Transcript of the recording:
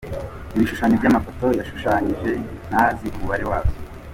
Ibishushanyo by’amafoto yashushanyije ntazi umubare wabyo .